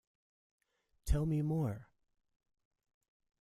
Tell me more.